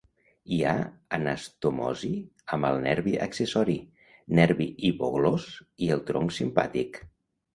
Hi ha anastomosi amb el nervi accessori, nervi hipoglòs i el tronc simpàtic.